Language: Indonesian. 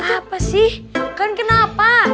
apa sih kan kenapa